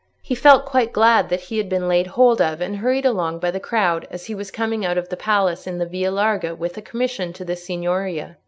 He felt quite glad that he had been laid hold of and hurried along by the crowd as he was coming out of the palace in the Via Larga with a commission to the Signoria.